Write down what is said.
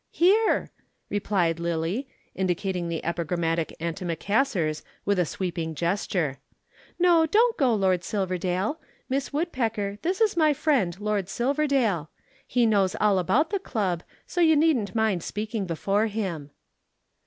"Here," replied Lillie, indicating the epigrammatic antimacassars with a sweeping gesture. "No, don't go, Lord Silverdale. Miss Woodpecker, this is my friend Lord Silverdale. He knows all about the Club, so you needn't mind speaking before him."